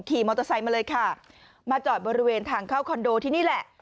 ขี่มอเตอร์ไซค์มาเลยค่ะมาจอดบริเวณทางเข้าคอนโดที่นี่แหละ